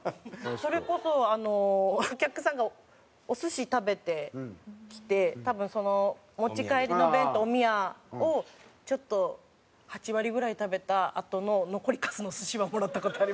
それこそお客さんがお寿司食べてきて多分持ち帰りの弁当おみやをちょっと８割ぐらい食べたあとの残りカスの寿司はもらった事あります。